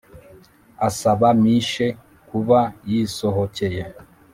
asaba miche kuba yisohokeye.